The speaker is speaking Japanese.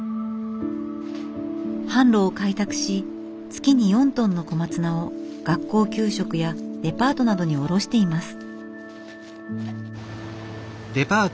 販路を開拓し月に４トンの小松菜を学校給食やデパートなどに卸しています。